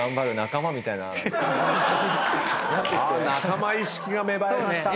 仲間意識が芽生えました！